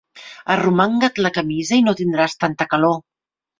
Arromanga't la camisa i no tindràs tanta calor.